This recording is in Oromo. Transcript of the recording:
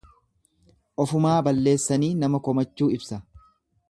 Ofumaa balleessanii nama komachuu ibsa.